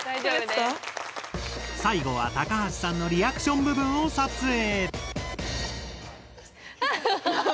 最後は高橋さんのリアクション部分を撮影。